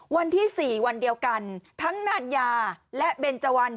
วันที่๔วันเดียวกันทั้งนานยาและเบนเจวัน